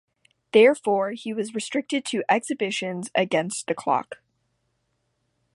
Therefore he was restricted to exhibitions against the clock.